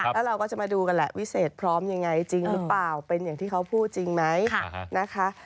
แล้วเราก็จะมาดูกันแหละวิเศษพร้อมยังไงจริงหรือเปล่าเป็นอย่างที่เขาพูดจริงไหมนะคะ